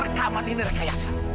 rekaman ini rekayasa